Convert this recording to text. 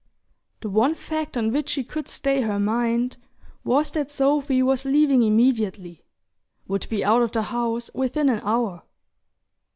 The one fact on which she could stay her mind was that Sophy was leaving immediately; would be out of the house within an hour.